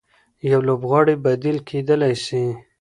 يو لوبغاړی بديل کېدلای سي.